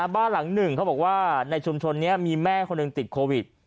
บ้านหลังหนึ่งเขาบอกว่าในชุมชนนี้มีแม่คนหนึ่งติดโควิด